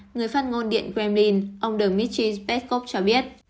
người phát ngôn điện kremlin ông dmitry peskov cho biết